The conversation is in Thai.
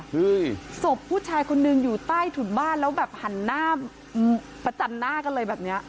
ศพผู้ชายคนนึงอยู่ใต้ถุนบ้านแล้วแบบหันหน้าประจันหน้ากันเลยแบบเนี้ย